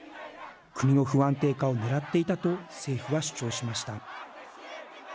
国の不安定化を狙っていたと政府は主張しました。